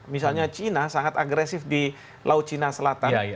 misalnya china sangat agresif di laut cina selatan